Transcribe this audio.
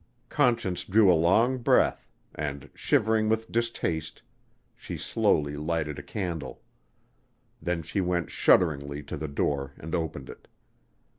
Conscience drew a long breath, and, shivering with distaste, she slowly lighted a candle. Then she went shudderingly to the door and opened it.